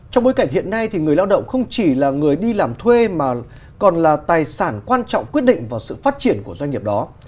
trong bối cảnh hiện nay người lao động không chỉ là người đi làm thuê mà còn là tài sản quan trọng quyết định vào sự phát triển của doanh nghiệp đó